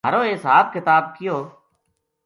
مھارو حساب کتاب کیو